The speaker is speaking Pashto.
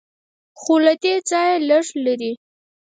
خو له دې ځایه لږ لرې.